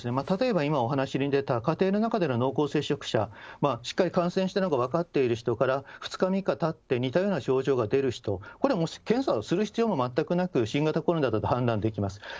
例えば今、お話に出た家庭の中での濃厚接触者、しっかり感染しているのが分かっている人から、２日、３日たって似たような症状が出る人、これはもう検査をする必要も全くなく、新型コロナだと判断できます。